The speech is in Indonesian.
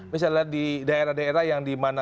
misalnya di daerah daerah yang di mana